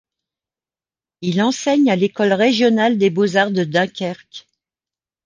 Il enseigne à l’école régionale des beaux-arts de Dunkerque.